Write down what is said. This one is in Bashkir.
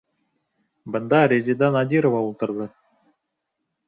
«Бында Резеда Надирова ултырҙы!»